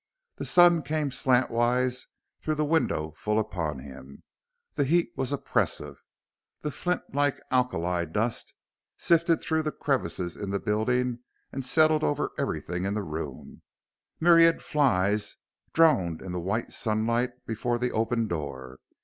The sun came slantwise through the window full upon him; the heat was oppressive; the flint like alkali dust sifted through the crevices in the building and settled over everything in the room; myriad flies droned in the white sunlight before the open door.